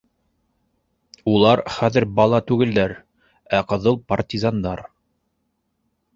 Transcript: Улар хәҙер бала түгелдәр, ә ҡыҙыл партизандар.